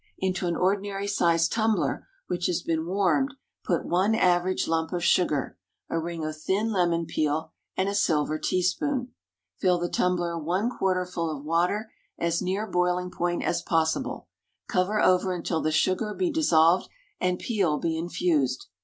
Into an ordinary sized tumbler which has been warmed, put one average lump of sugar, a ring of thin lemon peel, and a silver teaspoon. Fill the tumbler one quarter full of water as near boiling point as possible. Cover over until the sugar be dissolved and peel be infused.